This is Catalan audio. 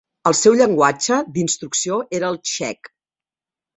El seu llenguatge d'instrucció era el txec.